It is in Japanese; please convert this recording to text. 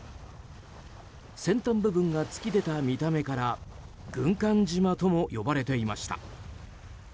先端部分が突き出た見た目から軍艦島とも呼ばれていました。